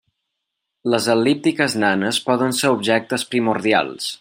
Les el·líptiques nanes poden ser objectes primordials.